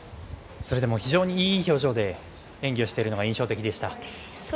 それでも非常にいい表情で演技をしているのが印象的でした。